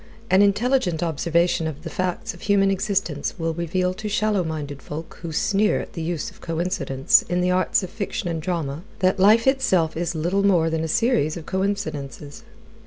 An intelligent observation of the facts of human existence will reveal to shallow minded folk who sneer at the use of coincidence in the arts of fiction and drama that life itself is little more than a series of coincidences.